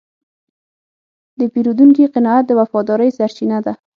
د پیرودونکي قناعت د وفادارۍ سرچینه ده.